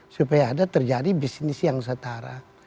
supaya ada terjadi bisnis yang setara